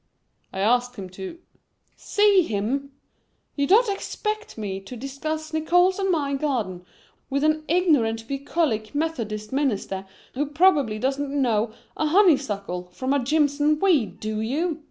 "I asked him to " "See him? You don't expect me to discuss Nickols' and my garden with an ignorant bucolic Methodist minister, who probably doesn't know a honeysuckle from a jimson weed, do you?"